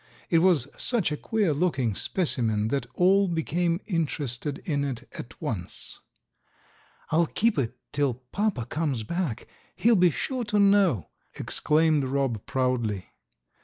It was such a queer looking specimen that all became interested in it at once. "I'll keep it till papa comes back, he'll be sure to know!" exclaimed Rob proudly.